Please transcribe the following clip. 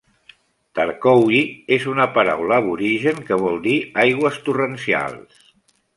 "Tarcowie" és una paraula aborigen que vol dir "aigües torrencials".